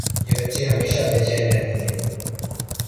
یہ بچے ہمیشہ بے چین رہتیں ہیں